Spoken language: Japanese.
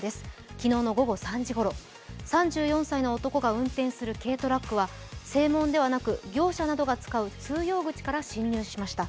昨日の午後３時ごろ、３４歳の男が運転する軽トラックは正門ではなく業者などが使う通用口から進入しました。